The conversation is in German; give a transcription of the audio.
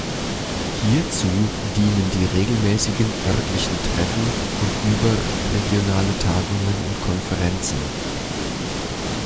Hierzu dienen die regelmäßigen örtlichen Treffen und überregionale Tagungen und Konferenzen.